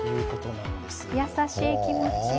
優しい気持ち。